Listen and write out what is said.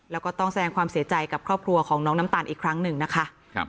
แล้วก็ต้องแสดงความเสียใจกับครอบครัวของน้องน้ำตาลอีกครั้งหนึ่งนะคะ